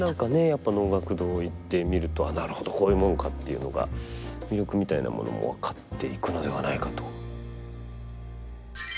やっぱり能楽堂へ行ってみるとああなるほどこういうもんかっていうのが魅力みたいなものも分かっていくのではないかと。